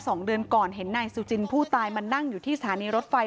สองเดือนก่อนเห็นนายสุจินผู้ตายมานั่งอยู่ที่สถานีรถไฟ